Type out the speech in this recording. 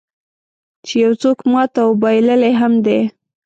چې یو څوک مات او بایللی هم دی.